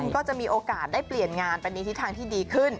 ก็จะมีโอกาสได้เปลี่ยนงานไปในทิศทางที่ดีขึ้น